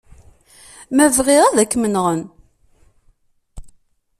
Ma bɣiɣ, ad kem-nɣen.